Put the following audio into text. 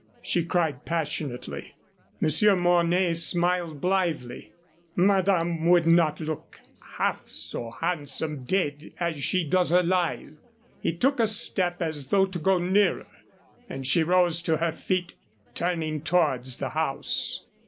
she cried, passionately. Monsieur Mornay smiled blithely. "Madame would not look half so handsome dead as she does alive." He took a step as though to go nearer, and she rose to her feet, turning towards the house.